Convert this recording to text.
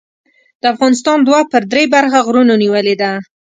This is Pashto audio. د افغانستان دوه پر درې برخه غرونو نیولې ده.